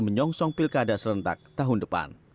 menyongsong pilkada serentak tahun depan